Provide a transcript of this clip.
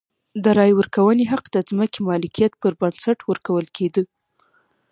د رایې ورکونې حق د ځمکې مالکیت پر بنسټ ورکول کېده.